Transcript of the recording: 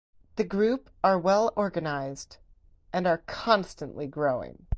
The group are well organized and are constantly growing.